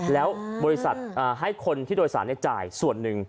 แล้วให้คนที่โดยสารได้จ่ายส่วนหนึ่ง